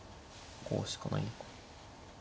こうしかないのか。